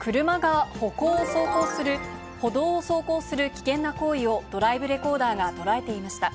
車が歩道を走行する危険な行為をドライブレコーダーが捉えていました。